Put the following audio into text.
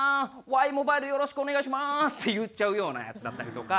ワイモバイルよろしくお願いします」って言っちゃうようなヤツだったりとか。